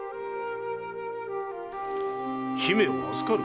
姫を預かる？